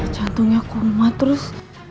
jantungnya komat terus